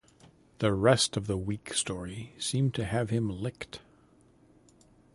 The rest of the weak story seemed to have him licked.